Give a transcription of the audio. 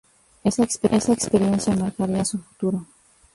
Esa experiencia marcaría su futuro.